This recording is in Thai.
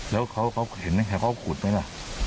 แล้วเขาเขาเห็นไงเขาขูดไหมล่ะ